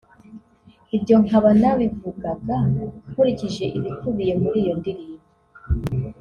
Ibyo nkaba narabivugaga nkurikije ibikubiye muri iyo ndirimbo